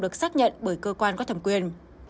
được xác nhận bởi cơ quan có thẩm quyền